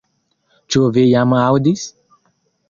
Ĉu vi jam aŭdis?